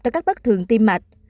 cho các bệnh nhân